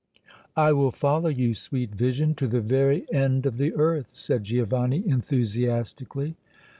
"I will follow you, sweet vision, to the very end of the earth!" said Giovanni, enthusiastically.